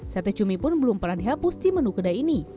sate cumi pun belum pernah dihapus di menu kedai ini